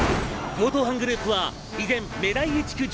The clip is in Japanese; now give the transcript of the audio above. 「強盗犯グループは依然メダイユ地区上空を逃走中。